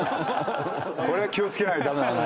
これは気を付けないと駄目だね。